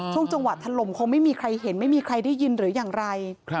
ช่วงจังหวะถล่มคงไม่มีใครเห็นไม่มีใครได้ยินหรืออย่างไร